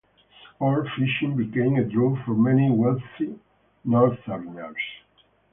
Sport fishing became a draw for many wealthy northerners.